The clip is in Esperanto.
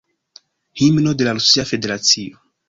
Himno de la Rusia Federacio.